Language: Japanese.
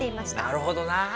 なるほどな。